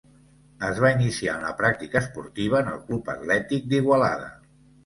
Es va iniciar en la pràctica esportiva en el Club Atlètic d'Igualada.